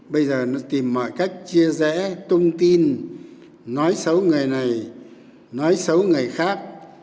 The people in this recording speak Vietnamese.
bây giờ tìm mọi cách chia rẽ tung tin nói xấu người này nói xấu người khác